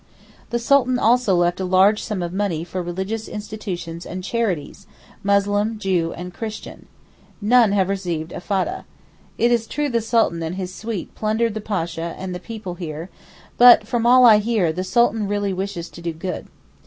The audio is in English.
The Sultan also left a large sum of money for religious institutions and charities—Muslim, Jew, and Christian. None have received a foddah. It is true the Sultan and his suite plundered the Pasha and the people here; but from all I hear the Sultan really wishes to do good.